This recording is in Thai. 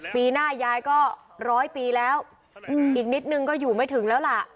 ปีหน้ายายก็ร้อยปีแล้วอีกนิดนึงก็อยู่ไม่ถึงแล้วล่ะ